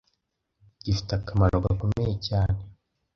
gifite akamaro gakomeye cyane